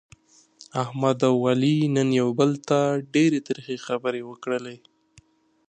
احمد او علي نن یو بل ته ډېرې ترخې خبرې وکړلې.